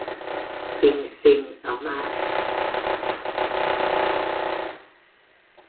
Xinh xinh ấm áp